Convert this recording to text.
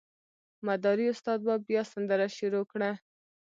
مداري استاد به بیا سندره شروع کړه.